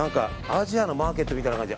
アジアのマーケットみたいな感じで。